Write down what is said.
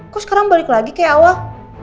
kok sekarang balik lagi kayak awal